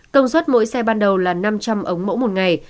công suất mỗi xe ban đầu là năm trăm linh ống mẫu một ngày